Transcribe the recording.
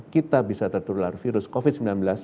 kita bisa tertular virus covid sembilan belas